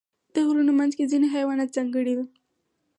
د غرونو منځ کې ځینې حیوانات ځانګړي وي.